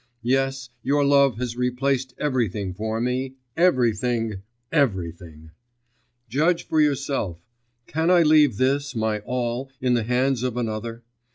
Yes, your love has replaced everything for me everything, everything! Judge for yourself: can I leave this my all in the hands of another?